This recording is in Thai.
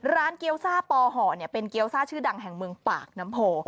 เกี้ยวซ่าปอห่อเป็นเกี้ยวซ่าชื่อดังแห่งเมืองปากน้ำโพ